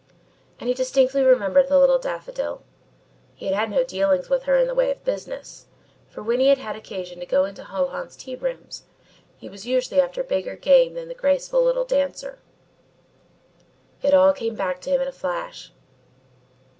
And he distinctly remembered the Little Daffodil. He had had no dealings with her in the way of business, for when he had had occasion to go into Ho Hans's tea rooms, he was usually after bigger game than the graceful little dancer. It all came back to him in a flash.